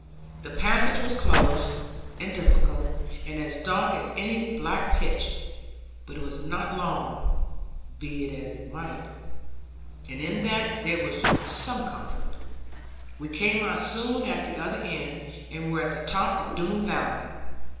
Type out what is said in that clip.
The passage was close and difficult, and as dark as any black pitch; but it was not long (be it as it might), and in that there was some comfort. We came out soon at the other end, and were at the top of Doone valley.